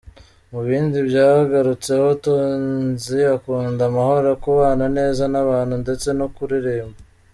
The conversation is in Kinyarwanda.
Mu bindi byagarutseho, Tonzi akunda amahoro kubana neza n’abantu ndetse no kuririmba.